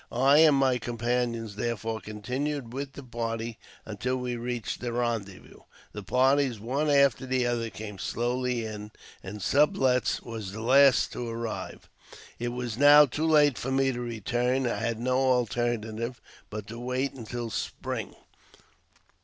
I and my companions, therefore, continued with the party until we reached the rendezvous. The parties, one after the other, came slowly in, and Sublet's was the last to arrive. It was now too late for me to return, and I had no alternative but to wait until spring.